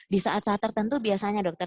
di saat saat tertentu biasanya dokter